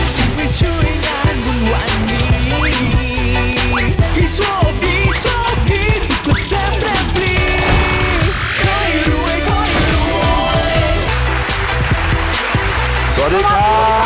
สวัสดีค่ะ